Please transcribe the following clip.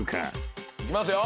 いきますよ。